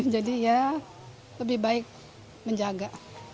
jadi ya lebih baik menjaga